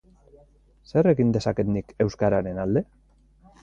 Zer egin dezaket nik euskararen alde?